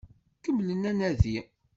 Kemmlem anadi!